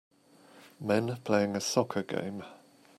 Men playing a soccer game.